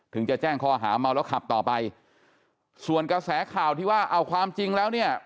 จะแจ้งข้อหาเมาแล้วขับต่อไปส่วนกระแสข่าวที่ว่าเอาความจริงแล้วเนี่ย